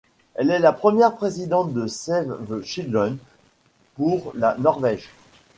Elle est la première présidente de Save the Children pour la Norvège.